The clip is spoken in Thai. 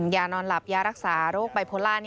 อย่านอนหลับยารักษาโรคไพโปรลาร์